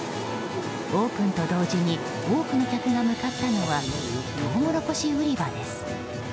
オープンと同時に多くの客が向かったのはトウモロコシ売り場です。